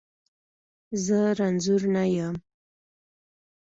زه رنځور نه یم.